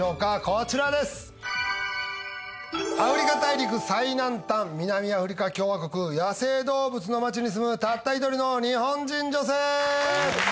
こちらですアフリカ大陸最南端南アフリカ共和国野生動物の町に住むたった一人の日本人女性